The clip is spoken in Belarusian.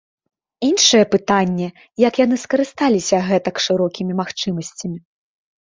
Іншае пытанне, як яны скарысталіся гэтак шырокімі магчымасцямі.